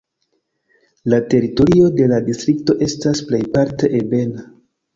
La teritorio de la distrikto estas plejparte ebena.